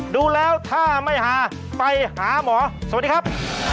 ดูแล้วถ้าไม่หาไปหาหมอสวัสดีครับ